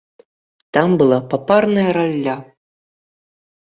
Там была папарная ралля.